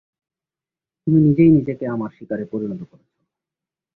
তুমি নিজেই নিজেকে আমার শিকারে পরিণত করেছ।